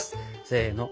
せの。